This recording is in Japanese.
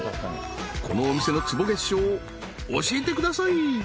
このお店の坪月商教えてください